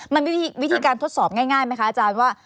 มันวิธีการทดสอบง่ายไหมคะอาจารย์ว่า